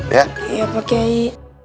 ya pak kiai